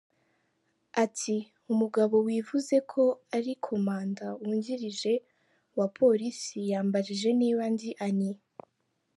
Ati: “Umugabo wivuze ko ari komanda wungirije wa polisi yambajije niba ndi Annie.